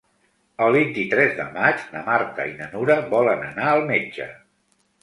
El vint-i-tres de maig na Marta i na Nura volen anar al metge.